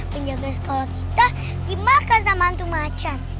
penjaga sekolah kita dimakan sama hantu macan